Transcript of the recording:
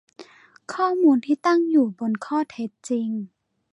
ข้อมูลที่ตั้งอยู่บนข้อเท็จจริง